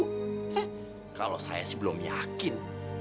kalau saya sih belum yakin